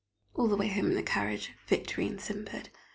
All the way home in the carriage, Victorine simpered.